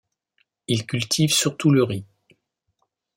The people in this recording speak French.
Ils cultivent surtout le riz.